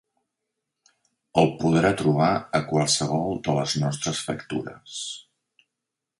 El podrà trobar a qualsevol de les nostres factures.